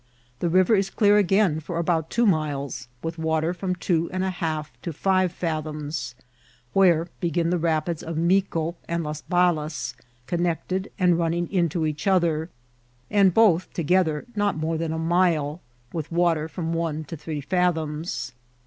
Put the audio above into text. The river is clear again for about two miles, with water from two and a half to five fathoms, where begin the rapids of Mico and Las Balas, connected and nmning Into each other, and both together not more than a milci with water from one to three fathoms.